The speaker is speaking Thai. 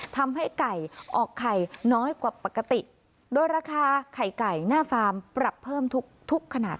ทำให้ไก่ออกไข่น้อยกว่าปกติโดยราคาไข่ไก่หน้าฟาร์มปรับเพิ่มทุกขนาด